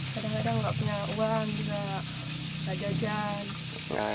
kadang kadang gak punya uang juga gak jajan